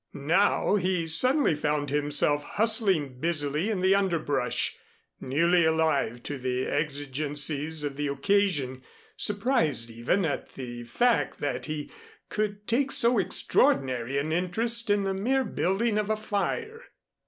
Now, he suddenly found himself hustling busily in the underbrush, newly alive to the exigencies of the occasion, surprised even at the fact that he could take so extraordinary an interest in the mere building of a fire.